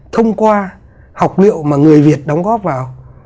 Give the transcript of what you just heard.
thông qua học liệu mà người việt đóng góp vào